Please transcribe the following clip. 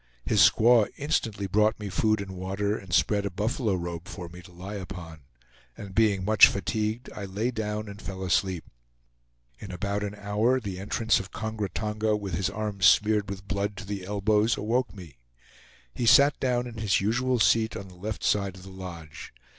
His squaw instantly brought me food and water, and spread a buffalo robe for me to lie upon; and being much fatigued, I lay down and fell asleep. In about an hour the entrance of Kongra Tonga, with his arms smeared with blood to the elbows, awoke me. He sat down in his usual seat on the left side of the lodge.